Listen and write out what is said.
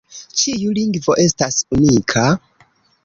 Ĉiu lingvo estas unika.